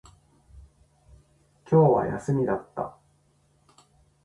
今日は休みだった